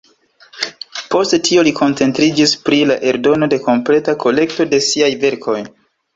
Post tio li koncentriĝis pri la eldono de kompleta kolekto de siaj verkoj.